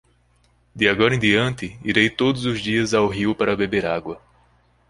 De agora em diante irei todos os dias ao rio para beber água.